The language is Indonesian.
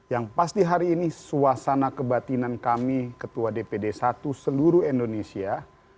yang pasti hari ini suasana kebatinan kami ketua dpd satu seluruh indonesia